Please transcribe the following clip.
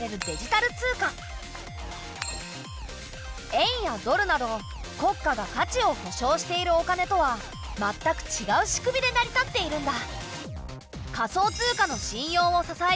円やドルなど国家が価値を保証しているお金とはまったくちがう仕組みで成り立っているんだ。